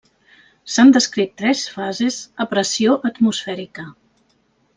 S'han descrit tres fases a pressió atmosfèrica.